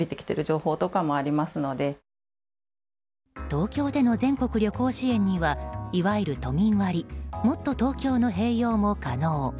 東京での全国旅行支援にはいわゆる都民割もっとＴｏｋｙｏの併用も可能。